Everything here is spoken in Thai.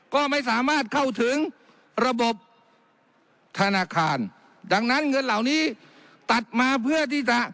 ก็ไม่สามารถเข้าถึงระบบธนาคารดังนั้นเงินเหล่านี้ตัดมาเพื่อที่จะ